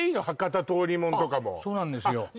博多通りもんとかもそうなんですよ